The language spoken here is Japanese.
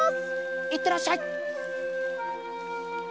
いってらっしゃい！